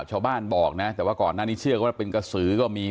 ชาวบ้านบอกนะแต่ว่าก่อนหน้านี้เชื่อกันว่าเป็นกระสือก็มี